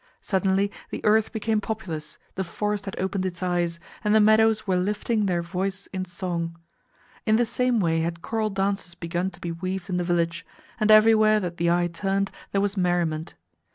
Suddenly the earth became populous, the forest had opened its eyes, and the meadows were lifting up their voice in song. In the same way had choral dances begun to be weaved in the village, and everywhere that the eye turned there was merriment.